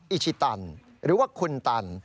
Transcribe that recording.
อิชิตันหรือว่าคุณตัน